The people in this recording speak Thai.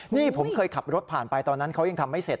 นี่ผมเคยขับรถผ่านไปตอนนั้นเขายังทำไม่เสร็จ